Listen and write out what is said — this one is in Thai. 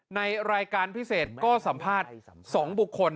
ในรายการพิเศษก็สัมภาษณ์๒บุคคล